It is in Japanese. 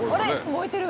燃えてる。